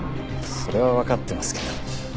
それはわかってますけど。